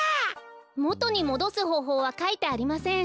もとにもどすほうほうはかいてありません。